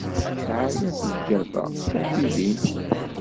Sɛaya teǧǧaba d iḥbiben.